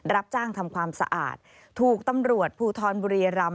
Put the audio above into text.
รับจ้างทำความสะอาดถูกตำรวจภูทรบุรีรำ